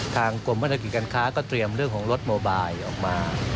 ทางกรมพัฒนากิจการค้าก็เตรียมเรื่องของรถโมบายออกมา